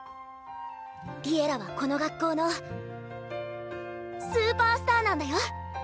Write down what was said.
「Ｌｉｅｌｌａ！」はこの学校のスーパースターなんだよ。